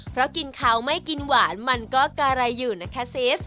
เพราะกินข้าวไม่กินหวานมันก็กลายอยู่นะครับเซ